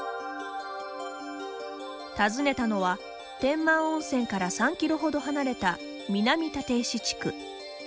訪ねたのは、天満温泉から３キロ程離れた南立石地区。